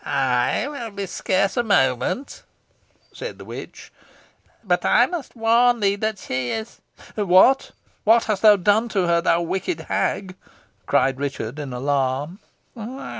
"I will be scarce a moment," said the witch; "but I must warn thee that she is " "What what hast thou done to her, thou wicked hag?" cried Richard, in alarm.